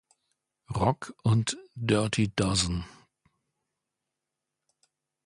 Rock" und "Dirty Dozen".